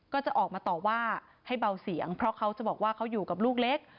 ก็จะออกมาต่อว่าให้เบาเสียงเพราะเขาจะบอกว่าเขาอยู่กับลูกเล็ก